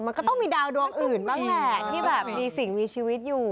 มันก็ต้องมีดาวดวงอื่นบ้างแหละที่แบบมีสิ่งมีชีวิตอยู่